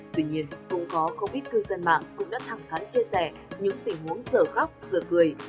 tuy nhiên cũng có covid cư dân mạng cũng đã thẳng thắn chia sẻ những tình huống sở khóc sở cười